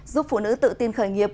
giúp phụ nữ tự tin khởi nghiệp